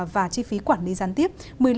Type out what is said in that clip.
và chi phí quản lý gián tiếp